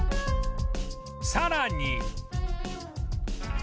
さらに